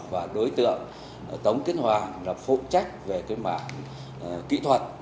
và đối tượng tống kiến hoàng là phụ trách về cái mạng kỹ thuật